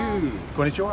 こんにちは。